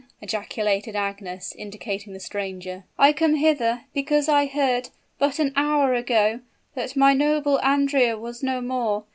ejaculated Agnes, indicating the stranger. "I come hither, because I heard but an hour ago that my noble Andrea was no more.